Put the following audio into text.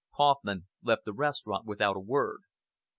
Kauffman left the restaurant without a word.